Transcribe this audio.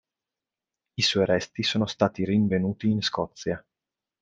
I suoi resti sono stati rinvenuti in Scozia.